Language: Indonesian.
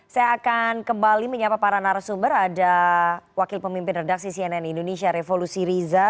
saya akan kembali menyapa para narasumber ada wakil pemimpin redaksi cnn indonesia revolusi riza